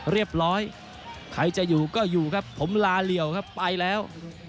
เรียบร้อยใครจะอยู่ก็อยู่ครับผมลาเหลี่ยวครับไปแล้ว